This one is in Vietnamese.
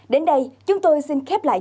đến đây chúng tôi xin khép lại